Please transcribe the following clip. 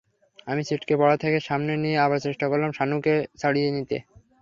আমি ছিটকে পড়া থেকে সামলে নিয়ে আবার চেষ্টা করলাম শানুকে ছাড়িয়ে নিতে।